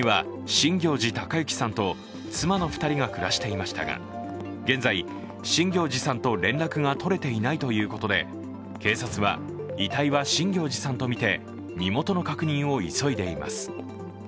この家には新行内隆之さんと妻の２人が暮らしていましたが現在、新行内さんと連絡が取れていないということで警察は遺体は新行内さんとみて、身元の確認を急いでいます。